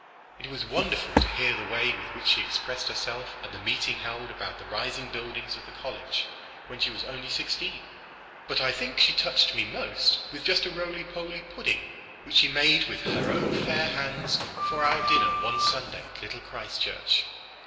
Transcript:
It was wonderful to hear the way with which she expressed herself at the meeting held about the rising buildings of the college when she was only sixteen. But I think she touched me most with just a roly poly pudding which she made with her own fair hands for our dinner one Sunday at Little Christchurch.